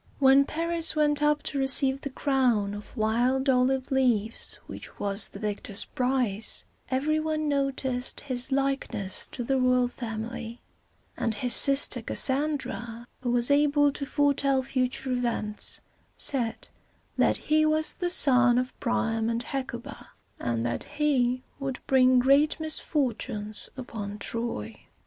When Paris went up to receive the crown of wild olive leaves which was the victor's prize, every one noticed his likeness to the royal family; and his sister Cas san´dra, who was able to foretell future events, said that he was the son of Priam and Hecuba, and that he would bring great misfortunes upon Troy.